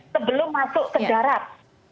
sebelum masuk ke darat